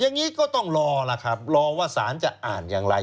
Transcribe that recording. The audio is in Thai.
อย่างนี้ก็ต้องรอล่ะครับรอว่าสารจะอ่านอย่างไร